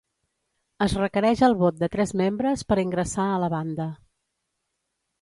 Es requereix el vot de tres membres per a ingressar a la banda.